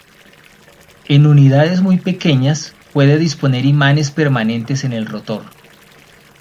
En unidades muy pequeñas, puede disponer imanes permanentes en el rotor.